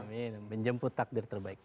amin menjemput takdir terbaik